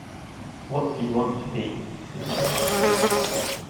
“What do you want to be?” his mother asked.